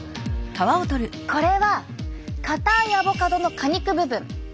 これは硬いアボカドの果肉部分。